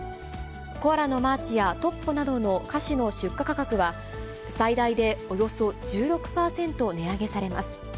コアラのマーチやトッポなどの菓子の出荷価格は、最大でおよそ１６％値上げされます。